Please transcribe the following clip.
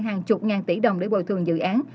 hàng chục ngàn tỷ đồng để bồi thường dự án